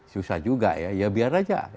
susah juga ya biar aja